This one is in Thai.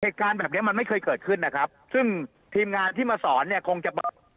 เหตุการณ์แบบเนี้ยมันไม่เคยเกิดขึ้นนะครับซึ่งทีมงานที่มาสอนเนี่ยคงจะแบบ